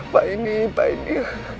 pak ini pak ini